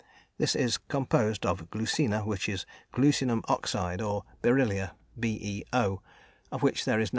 This is composed of glucina, which is glucinum oxide, or beryllia, BeO, of which there is 19.